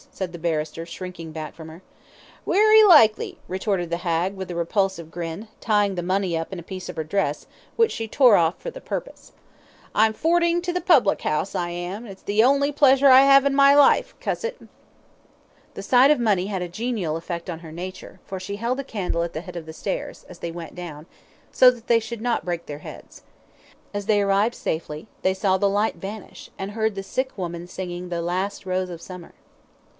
said the barrister, shrinking back from her. "Werry likely," retorted the hag, with a repulsive grin, tying the money up in a piece of her dress, which she tore off for the purpose. "I'm a forting to the public 'ouse, I am, an' it's the on'y pleasure I 'ave in my life, cuss it." The sight of money had a genial effect on her nature, for she held the candle at the head of the stairs, as they went down, so that they should not break their heads. As they arrived safely, they saw the light vanish, and heard the sick woman singing, "The Last Rose of Summer."